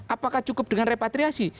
apakah cukup dengan repatriasi